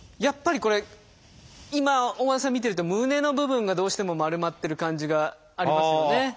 やっぱりこれ今大和田さん見てると胸の部分がどうしても丸まってる感じがありますよね。